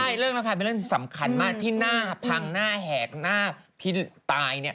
ใช่เรื่องระคายเป็นเรื่องสำคัญมากที่หน้าพังหน้าแหกหน้าพี่ตายเนี่ย